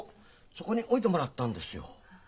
そこに置いてもらったんですよ。